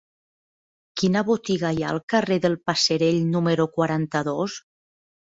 Quina botiga hi ha al carrer del Passerell número quaranta-dos?